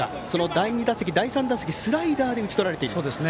第２打席、第３打席はスライダーで打ち取られています。